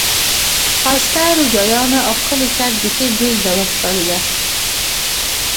ښایسته روجایانو او ښکلي کټ بیخي بېل ډول ښکارېد.